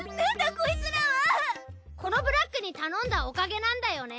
このブラックに頼んだおかげなんだよね。